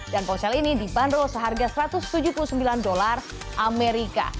dan ponsel ini dibanderol seharga satu ratus tujuh puluh sembilan dolar amerika